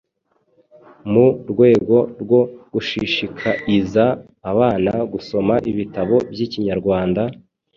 Mu rwego rwo gushishikaiza abana gusoma ibitabo by’ikinyarwanda,